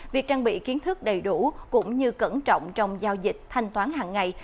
việc trang bị kiến thức đầy đủ cũng như cẩn trọng trong giao dịch thanh toán hằng ngày